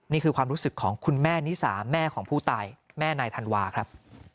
นี่คือความรู้สึกของคุณแม่นิสาแม่ของผู้ตายแม่นายธันวาครับ